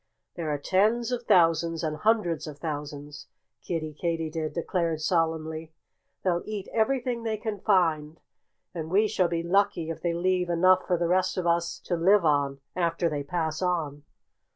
"There are tens of thousands and hundreds of thousands," Kiddie Katydid declared solemnly. "They'll eat everything they can find. And we shall be lucky if they leave enough for the rest of us to live on, after they pass on."